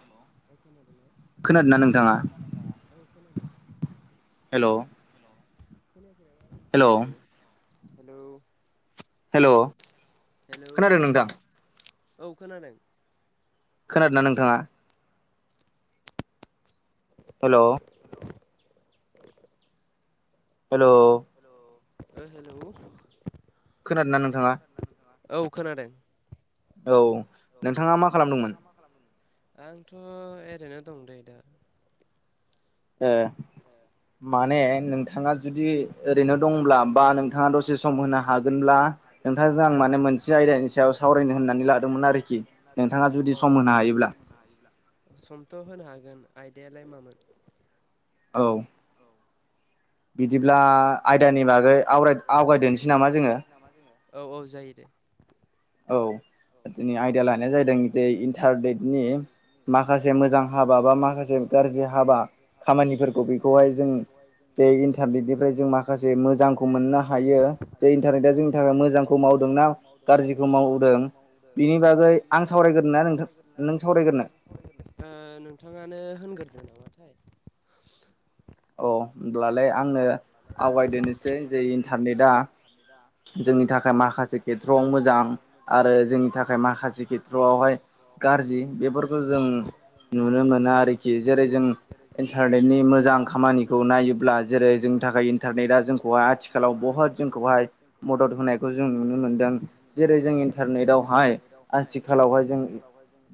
हेल' औ खोनायालै खोनादों ना नोंथाङा औ खोनादों हेल' खोना हेल' हेलौ हेल' खोनादों नोंथां औ खोनादों नोंथाङा हेल' हेल' ओ हेल' खोनादोंना नोंथाङा औ खोनादों औ नोंथाङा मा खालामदोंमोन आंथ' ओरैनो दं दायो ए माने नोंथाङा जुदि ओरैनो दंब्ला बा नोंथाङा दसे सम होनो हागोनब्ला नोंथांजों आं माने मोनसे आयदानि सायाव सावरायनो होननानै लादोंमोन आरोखि नोंथाङा जुदि सम होनो हायो सम होनो हायोब्ला समथ' होनो हागोन आयदायालाय मामोन औ बिदिब्ला आयदानि बागै आव आवगायदोसै नामा जोङो औ औ जायो दे औ दिनै आयदा लानाया जादों जे इन्टारनेटनि माखासे मोजां हाबा बा माखासे गाज्रि हाबा खामानिफोरखौ बेखौहाय जों जे इन्टारनेटनि फ्राय जों माखासे मोजांखौ मोननो हायो जे इन्टारनेटआ जोंनि थाखाय मोजांखौ मावदोंना गाज्रि खौ मावदों बिनि बागै ओ नोंथाङानो होनगोर [unintelligible] औ होनब्लालाय आंनो आवगायदोनोसै जे इन्टारनेटआ जोंनि थाखाय मा खासे खेथ्र'आव मोजां आरो जोंनि थाखाय माखासे खेथ्रआवहाय गाज्रि बेफोर खो जों नुनो मोनो आरोखि जेरै जों इन्टारनेटनि मोजां खामानिखौ नायोब्ला जेरै जोंनि थाखाय इन्टारनेटआ जोंखौहाय आथिखालाव बहुत जोंखौहाय मदद होनायखौ जों नुनो मोन्दों जेरै जों इन्टारनेटावहाय आथिखालावहाय जों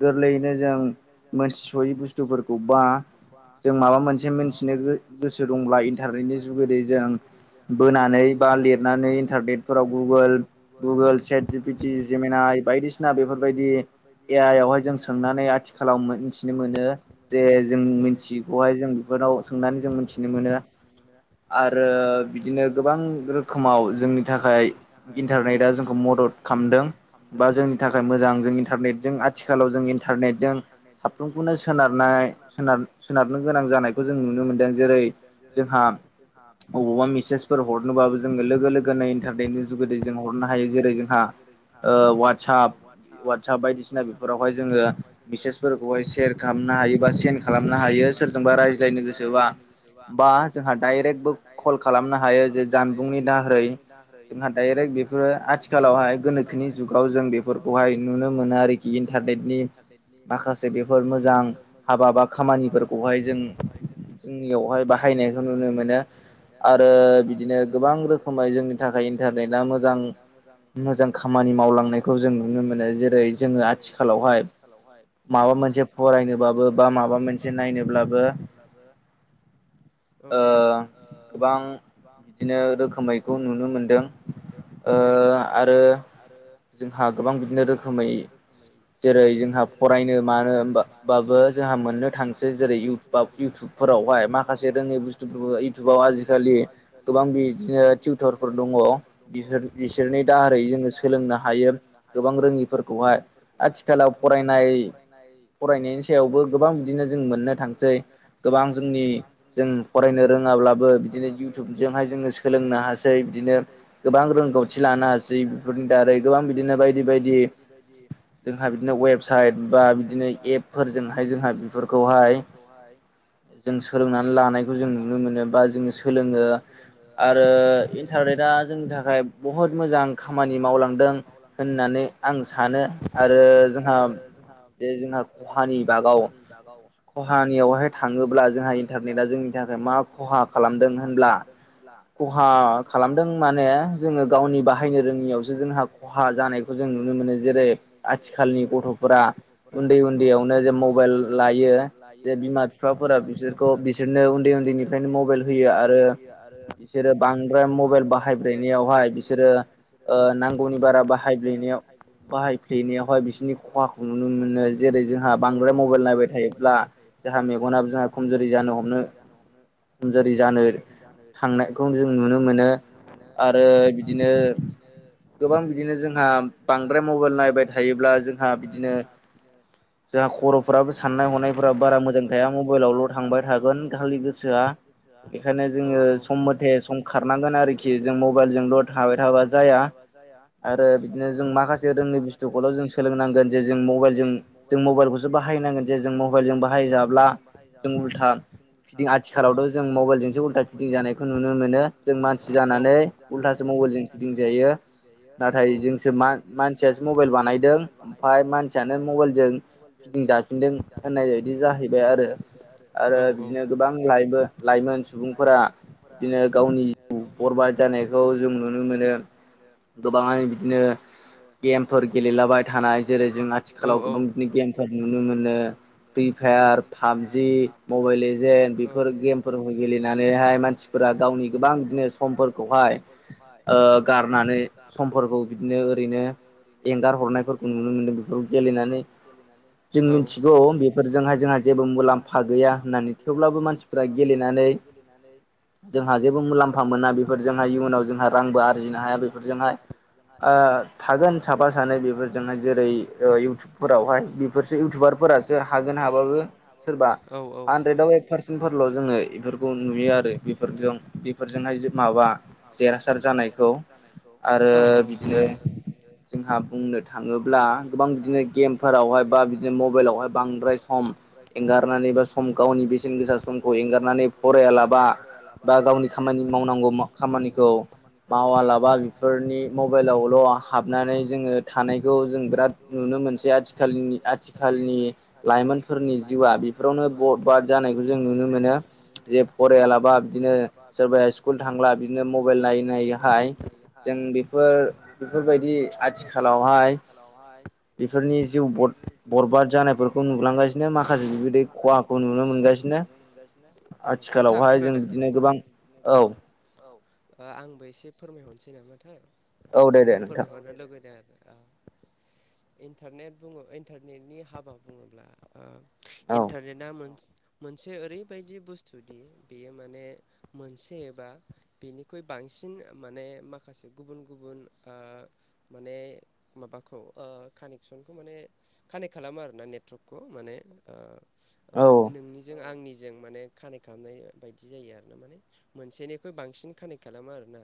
गोरलैयैनो जों मोनथिस'यै बुस्थुफोरखौ बा जों माबा मोनसे मोनथिनो गोसो द ब्ला इन्टारनेटनि जुगुदै जों बोनानै बा लिरनानै इन्टारनेटफोराव गुगोल गुगोल सेट जिपिटि जिमेनाय बायदिसिना बेफोरबायदि ए आइ आवहाय जों सोंनानै आथि खालाव मोनथिनो मोनो जे जों मिथियैखौहाय जों बेफोरनाव सोंनानै जों मिथिनो मोनो नो आरो बिदिनो गोबां रोखोमाव जोंनि थाखाय इन्टारनेटआ जोंखौ मदद खालामदों बा जोंनि थाखाय मोजां जों इन्टारनेटजों आथिखालाव जों इन्टारनेटजों सााफ्रोमखौनो सोनारनाय सोनार सोनारनो गोनां जानायखौ जों नुनो मोन्दों जेरै जेरै जोंहा बबावबा मेसेजफोर हरनोबाबो जोङो लोगो लोगोनो इन्टारनेटनि हरनो हायो जेरै जोंहा ओ वाटस आफ वाटस आप बायदिसिना बेफोरावहाय जोङो मेसेजफोरखौहाय सेयार खालामनो हायो बा सेन्ड खालामनो हायो सोरजोंबा रायज्लायनो जोंबा रायज्लायनो गोसोबा बा जोंहा डाइरेक्टबो कल खालामनो हायो जे जानबुंनि दारै औ हा डाइरेक्ट बेफोर आथिखालावहाय गोनोखोनि जुगाव जों बेफोरखौहाय नुनो मोनो आरोखि इन्टारनेटनि माखासे बेफोर मोजां हाबा बा खामानिफोरखौहाय जों जोंनियावहाय बाहायनाय खो नुनो मोनो आरो बिदिनो गोबां रोखोमै जोंनि थाखाय इन्टारनेटआ मोजां मोजां मोजां खामानि मावलांनायखौ जों नुनो मोनो जेरै जोङो आथिखालावहाय माबा मोनसे फरायनोबाबो बा माबा मोनसे नायनोब्लाबो ओ गोबां बिदिनो रोखोमैखौ नुनो मोनदों ओ आरो जोंहा गोबां बिदिनो रोखोमै जेरै जोंहा फरायनो मानो बा बाबो जोंहा मोननो थांसै जेरै इटुबाव इउटुबफोरावहाय मा माखासे रोङै बुस्थुफोरखौ इउटुबाव आजिखालि गोबां बिदिनो टिउटरफोर दङ बि जोर बिसोरनि दाहारै जोङो सोलोंनो हायो गोबां रोङिफोरखौहाय आथिखालाव फराय नाय फरायनायनि सायावबो गोबां बिदिनो जों मोननो थांसै गोबां जों नि जों फरायनो रोङाब्लाबो बिदिनो इउटुबजोंहाय जोङो सोलोंनो हासै बिदिनो बिदिनो गोबां रोंगौथि लानो हासै बेफोरनि दारै गोबां बिदिनो बायदि बायदि जोंहा बिदिनो वेबसाइट बा बिदिनो एपफोरजोंहाय जोंहा बेफोरखौहाय जों सोलोंनानै लानायखौ जों नुनो मोनो बा जोङो सोलोङो आरो इन्टारनेटा दा जोंनि थाखाय बहुत मोजां खामानि मावलांदों होननानै आं सानो आरो आरो जोंहा बे जोंहा खहानि बागाव खहानियावहाय थाङोब्ला जों हा इन्टारनेटआ जोंनि थाखाय मा खहा खालामदों होनब्ला खहा खालामदों माने जोङो गावनि बाहायनो रोङियावसो जोंहा खहा जानायखौ जों नुनो मोनो जेरै आथिखालनि आथिखालनि गथ'फोरा औ उन्दै उन्दैयावनो जे मबाइल लायो फोरा बिसि बिसोरखौ बिसोरनो उन्दै उन्दैनिफ्रायनो मबाइल होयो आरो बिसोरो बांद्राय मबाइल बाहाय मबाइल बाहायब्रेयनायावहाय बिसोरो नांगौनि बारा बाहायब्रजनायाव बाहायफै खहाखौ नुनो मोनो जेरै जों बांद्राय मबाइल नायबाय थायोब्ला जा हा मेगना गनाबो जोंहा खमजुरि जानो हमनो जारि जानो थांनायखौ जों नुनो मोनो आरो बिदिनो गोबां बिदिनो जोंहा बांद्राय मबाइल नायबाय थायोब्ला जोंहा बिदिनो जोंहा खरफ्राबो साननाय हनायफोरा बारा मोजां थाया थांबाय थागोन खालि गोसोआ बेखायनो जोङो सम मथे सम खारनांगोन आरोखि जों मबाइलजोंल थाबाय थाबा जाया आरो बिदिनो जों माखासे रोङि बुस्थुखौल जों सोलोंनांगोन जे जों मबाइ जों मबाइलखौसो बाहायनांगोन जे जों मबाइल जों बाहाय जाब्ला बाहाय जाबा उल्था फिदिं आथिखालावथ जों मबाइल जोंसो उल्था फिदिं जानायखौ नुनो मोनो जों मानसि जानानै मानसि जानानै उलथासो मबाइलजों फिदिं जायो जोंसो मानसियासो मबाइल ओमफफ्राय मानसियानो मबाइलजों फिदिं जाफिनदों होननाय बायदि जाहैबाय आरो आरो बिदिनो गोबां लाइ लाइमोन सुबुंफोरा बिदिनो गावनि गावनि बरबाद जानायखौ जों नुनो मोनो गोबाङानो बिदिनो गेलेलाबाय थानाय जेरै जों आथिखालाव गोबां बिदिनो गेमफोर नुनो मोनो Free Fire PUBG mobile legend बेफोर गेमफोरखौ गेलेनानैहाय मानसिफोरा गावनि गोबां बिदिनो समफोरखौहाय गारनानै समफोरखौ बिदिनो ओरैनो एंगार हरनायफोरखौ नुनो मोनदों बे गेलेनानै औ जों मिथिगौ जेबो मुलाम्फा जेबो मुलाम्फा गैया होननानै थेवब्लाबो मानसिफ्रा गेलेनानै जोंहा जेबो मुलाम्फा मोना बेफोरजोंहाय इयुनाव जोंहा रांबो आरजिनो हाया बेफोरजोंहाय थागोन साफा सानै बेफोरजोंहाय जेरै इउटुबफोरावहाय बेफोरसो इउटुबारफोरासो ह हागोन हाबाबो सोरबा हानद्रेदाव एक पारसेन्टफोरल जोङो बेफोरखौ नुयो आरो बेफोरजों बेफोरजोंहाय बेफोरजोंहाय माबा देरहासार जानायखौ औ औ आरो बिदिनो बुंनो थाङोब्ला गोबां बिदिनो गेमफोरावहाय बा बिदिनो मबाइलावहाय बांद्राय सम एंगार गावनि बेसेन गोसा समखौ एंगारनानै फरायालाबा बा गावनि खामानि मावनांगौ खामानिखौ मावालाबा बेफोरनि मबाइलावल हाबनानै जोङो थानाय जों नुनो मोनो आथिखालनि लाइमोनफोरनि जिउआ बेफोरावनो बाद जानायखौ जों नुनो मोनो जे फरायलाबा बिदिनो सोरबाया स्कुल थांला बिदिनो मबाइल नायै नायैहाय जों बेफोर बेफोरबायदि आथिखालाव आथिखालावहाय बेफोरनि जिउ बरबाद जानायफोरखौ माखासे बिदै खहाखौ नुनो मोनगासिनो नोंथां खोनादों सोरावहाय जों बिदिनो गोबां औ आंबो एसे फोरमायहरसै नामाथाय आंबो फोरमायहरनो लुबैदों आरो इन्टारनेट बुङो इन्टारनेटनि हाबा बुङोब्ला इन्टारनेटा मोनसे ओरैबायदि बुस्थुदि बेयो माने मोनसे एबा बेनिख्रुइ बांसिन माने माखासे गुबुन गुबुन माने माबाखौ ओ कानेक्सनखौ माने कानेक्ट खालामो आरोना नेटवर्कखौ माने औ मोन नोंनिजों आंनि जों माने कानेक्ट खालामनाय बायदि जायो आरो ना माने मोनसेनिख्रुइ बांसिन कानेक्ट खालामो आरोना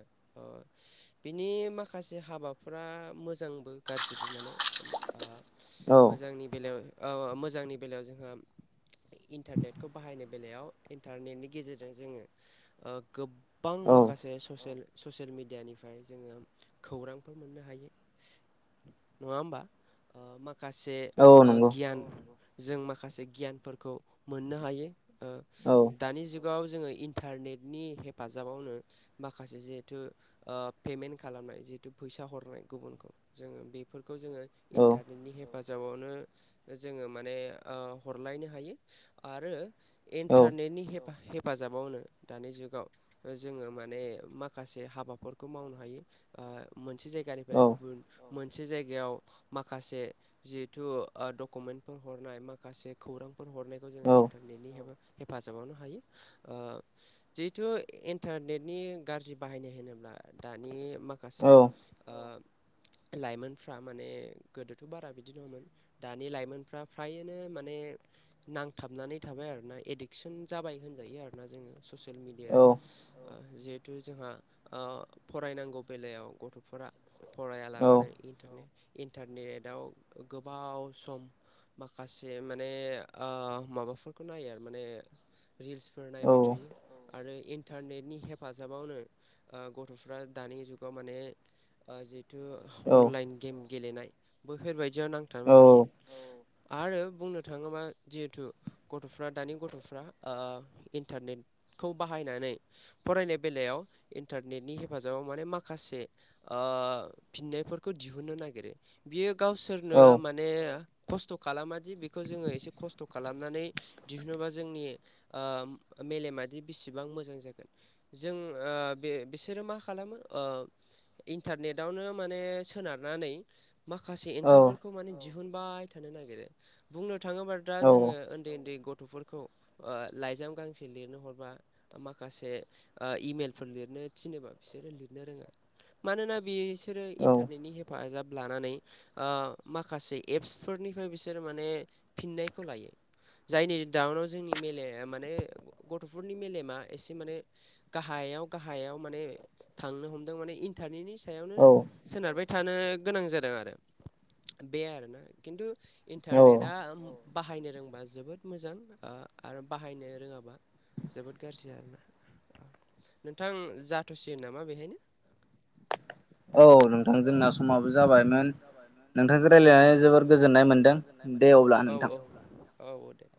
बिनि माखासे हाबाफ्रा मोजांबो गाज्रिबो माने मोजांनि बेलायाव औ औ मोजांनि बेलायाव जोंहा इन्टारनेटखौ बाहायनाय बेलायाव इन्टारनेटनि गेजेरजों जोङो गोबां माखासे ससियेल मिडियानिफ्राय जोङो खौरांफोर मोननो हायो [inaudible] नङा होमबा ओ माखासे ओ गियान जों माखासे गियानफोरखौ मोननो हायो दानि जुगाव जोङो इन्टारनेटनि हेफाजाबावनो माखासे जिहेथु पेमेन्ट खालामनाय जितु फैसा हरनाय गुबुनखौ जोङो बे फोरखौ जोङो इन्टारनेटनि हेफाजाबावनो जोङो माने हरलायनो हायो आरो इन्टारनेटनि हेफाजाब हेफाजाबावनो दानि जुगाव जोङो माने माखासे हाबाफोरखौ मावनो हायो मोनसे जायगा गानगफ्राय गुबुन मोनसे जायगायाव माखासे जिहेथु डकमेन्टफोर हर माखासे खौरांफोर हरनायखौ जोङो इन्टारनेटनि हेफाजाबावनो हायो जिहेथु इन्टारनेटनि गाज्रि बाहायनाय होनोब्ला दानि माखासे लाइमोनफ्रा माने गोदोथ' बारा बिदि नङामोन दानि लाइमोनफ्रा फ्रायानो माने नांथाबनानै थाबाय आरोना एडिकसन जाबाय होनजायो आरोना जोङो ससियेल मिडियायाव जिहेथु जोंहा फरायनांगौ बेलायाव गथ'फोरा फरायालाबानो इन्टारनेटाव गोबाव सम माखासे माने माबाफोरखौ नायो आरो माने रिल्सफोर नायबाय थायो आरो इन्टारनेटनि हेफाजाबावनो गथ'फ्रा दा नि जुगाव माने अनलाइन गेम गेलेनाय बैफोरबायदियाव नांथाना थायो आरो बुंनो थाङोबा जिहेथु गथ'फ्रा दानि गथ'फ्रा इन्टारनेट खौ बाहायनानै फरायनाय बेलायाव इन्टारनेटनि हेफाजाबाव माने माखासे फिननायफोरखौ दिहुननो नागिरो बियो गावसोरनो माने खस्थ' खालामादि बेखौ जोङो एसे खस्थ' खालामनानै दिहुनो बा जोंनि मेलेमा दि बिसिबां मोजां जागोन जों बिसोरो मा खालामो इन्टारनेटावनो माने सोनारनानै माखासे एन्सारफोरखौ माने दिहुनबाय थानो नागिरो बुंनो थाङोबा दा जोङो उन्दै उन्दै गथ' गथ' लाइजाम गांसे लिरनो हरबा माखासे इमेलफोर लिरनो थिनोबा बिसोरो लिरनो रोङा मानोना बेसोरो इन्टारनेटनि हेफाजाब लानानै माखासे एप्सफोरनि फ्राय बिसोर माने फिननायखौ लायो जायनि दाउनाव जोंनि मेलेम माने गथ'फोरनि मेलेमा एसे माने गाहाय गाहायाव माने थांनो हमदों माने इन्टरनेटनि सायावनो सोनारबाय थानो गोनां जादों आरो बे आरो बे आरो खिन्थु इन्टारनेटआ बाहायनो रोंबा जोबोद मोजां आरो बाहायनो रोङाबा जोबोद गाज्रि आरोना नोंथां जाथ'सिगोन नामा बेहायनो औ नोंथां जोंना समाबो जाबायमोन नोंथांजों रायज्लायनानै जोबोर गोजोननाय जोबोर गोजोननाय मोनदों औ औ औ औ दे